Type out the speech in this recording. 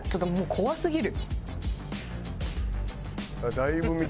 怖すぎる！